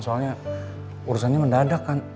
soalnya urusannya mendadak kan